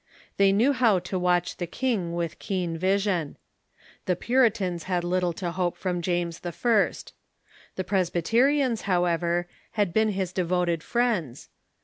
They knew how to watch the king with keen vision. The Puritans had little to hope from James I. The Presbyterians, however, had been his devoted friends.